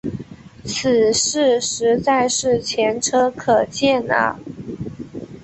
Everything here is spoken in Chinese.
此事实在是前车可鉴啊。